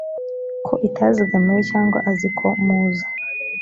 ko itazigamiwe cyangwa azi ko muza